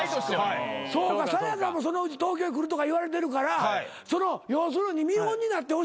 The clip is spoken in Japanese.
そうかさや香もそのうち東京へ来るとかいわれてるから要するに見本になってほしいわけやな。